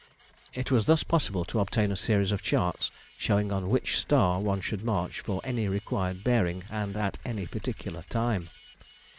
It was thus possible to obtain a series of charts showing on which star one should march for any required bearing, and at any particular time.